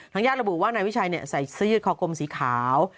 ทางญาติระบุว่านายวิชัยเนี่ยใส่ซื้อยืดคอกมสีขาว